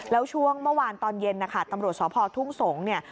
แล้วช่วงเมื่อวานตอนเย็นนะคะตำรวจสพทุ่งสงศ์เนี่ย